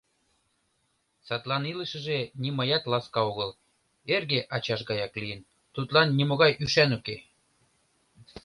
Садлан илышыже нимаят ласка огыл: эрге ачаж гаяк лийын, тудлан нимогай ӱшан уке.